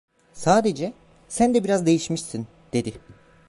Sadece: "Sen de biraz değişmişsin!" dedi.